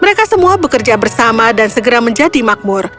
mereka semua bekerja bersama dan segera menjadi makmur